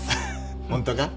ホントか？